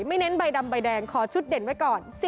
เน้นใบดำใบแดงขอชุดเด่นไว้ก่อน